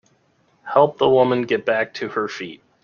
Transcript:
Help the woman get back to her feet.